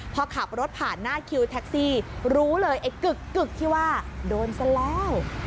พอขับรถผ่านหน้าคิวแท็กซี่รู้เลยไอ้กึกกึกที่ว่าโดนซะแล้ว